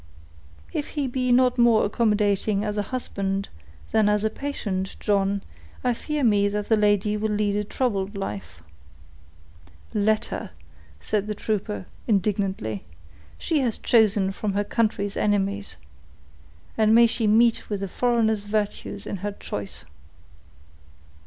"If he be not more accommodating as a husband than as a patient, John, I fear me that the lady will lead a troubled life." "Let her," said the trooper, indignantly; "she has chosen from her country's enemies, and may she meet with a foreigner's virtues in her choice."